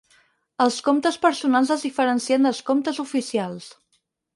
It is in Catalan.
Els comptes personals es diferencien dels comptes oficials.